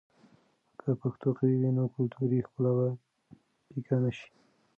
که پښتو قوي وي، نو کلتوري ښکلا به پیکه نه شي.